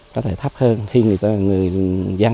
có thể thấp hơn khi người dân